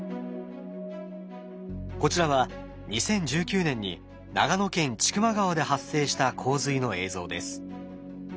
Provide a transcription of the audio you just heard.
こちらは２０１９年に長野県千曲川で発生した洪水の映像です。